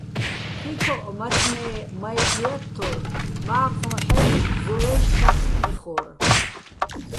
ქიქოჸ, მაცმე́ მაჲჴი̆ ჲათთორ, მა́ჴოჼ ჰ̦აჲჭი̆ ზორაჲში̆ ჩაჴ იხორ.